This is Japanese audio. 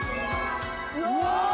うわ！